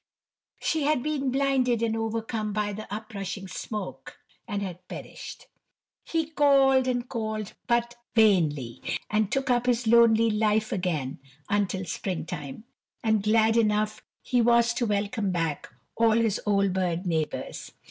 She had been blinded and overcome by the uprushing smoke, and had perished. He called and called, but vainly, and took up his lonely life again until spring time; and glad enough he was to welcome back all his old bird neighbors.